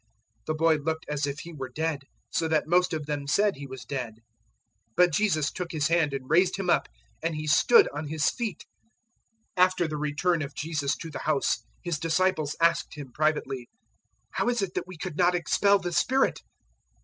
The boy looked as if he were dead, so that most of them said he was dead; 009:027 but Jesus took his hand and raised him up, and he stood on his feet. 009:028 After the return of Jesus to the house His disciples asked Him privately, "How is it that we could not expel the spirit?"